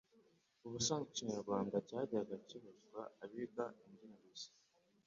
Ubusanzwe Ikinyarwanda cyajyaga kibazwa abiga indimi gusa